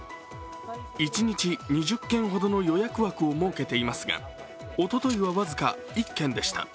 一日２０件ほどの予約枠を設けていますが、おとといは僅か１軒でした。